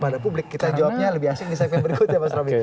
pada publik kita jawabnya lebih asing di saat yang berikut ya mas romy